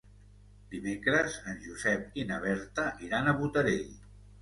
Dimecres en Josep i na Berta iran a Botarell.